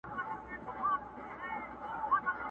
ته پاچا ځان مي وزیر جوړ کړ ته نه وې٫